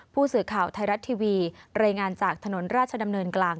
ผู้สื่อข่าวไทยรัฐทีวีรายงานจากถนนราชดำเนินกลาง